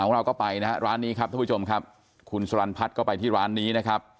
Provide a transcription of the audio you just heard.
ร้านนี้ครับท่านผู้ชมครับคุณสลันพัดก็ไปที่ร้านนี้นะครับ